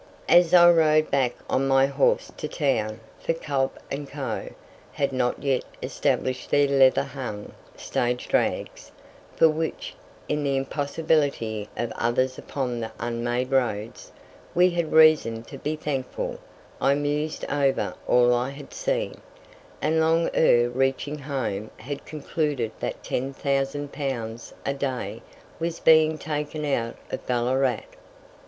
As I rode back on my horse to town for Cobb and Co. had not yet established their leather hung stage drags, for which, in the impossibility of others upon the unmade roads, we had reason to be thankful I mused over all I had seen, and long ere reaching home had concluded that 10,000 pounds a day was being taken out of Ballarat.